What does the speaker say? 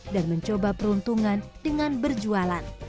dan mencoba peruntungan dengan berjualan